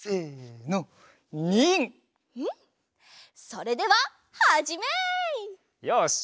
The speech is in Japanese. それでははじめい！よし！